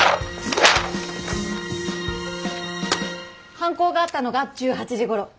犯行があったのが１８時ごろ。